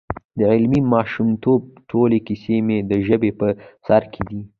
د علي د ماشومتوب ټولې کیسې مې د ژبې په سر کې دي.